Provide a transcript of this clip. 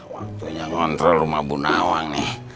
waktunya ngontrol rumah bu nawang nih